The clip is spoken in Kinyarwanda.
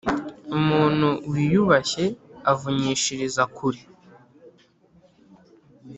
umuntu wiyubashye avunyishiriza kure.